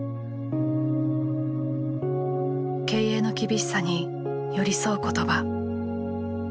経営の厳しさに寄り添う言葉。